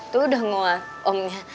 tuh udah nguat omnya